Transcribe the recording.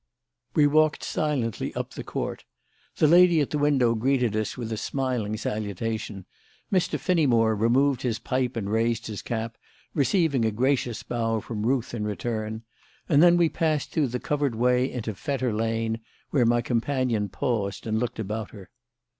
We walked silently up the court. The lady at the window greeted us with a smiling salutation, Mr. Finneymore removed his pipe and raised his cap, receiving a gracious bow from Ruth in return, and then we passed through the covered way into Fetter Lane, where my companion paused and looked about her.